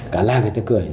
cả làng người ta cười